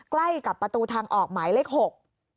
ใกล้กับประตูทางออกหมายเลขหก